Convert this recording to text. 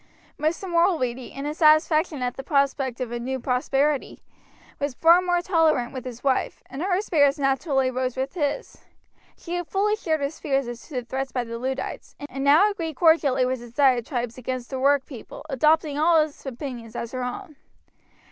Mr. Mulready, in his satisfaction at the prospect of a new prosperity, was far more tolerant with his wife, and her spirits naturally rose with his. She had fully shared his fears as to the threats by the Luddites, and now agreed cordially with his diatribes against the workpeople, adopting all his opinions as her own.